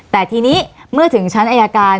แต่ทีนี้เมื่อถึงชั้นอายการ